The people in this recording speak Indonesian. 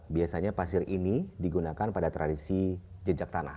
biasanya pasir ini digunakan pada tradisi jejak tanah